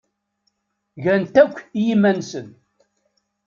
Gan-t akk i yiman-nsen.